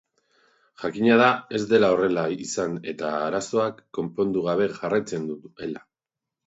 Jakina da ez dela horrela izan eta arazoak konpondu gabe jarraitzen duela.